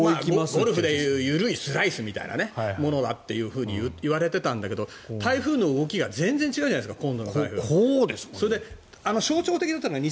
ゴルフで言う緩いスライスみたいなものだっていわれていたんだけど台風の動きが全然違うじゃないですか。